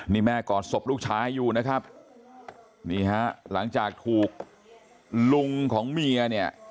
นี่แม่กอดศพลูกชายอยู่นะครับนี่ฮะหลังจากถูกลุงของเมียเนี่ย